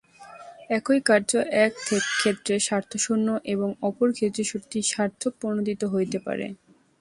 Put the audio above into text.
একই কার্য এক ক্ষেত্রে স্বার্থশূন্য এবং অপর ক্ষেত্রে সত্যই স্বার্থপ্রণোদিত হইতে পারে।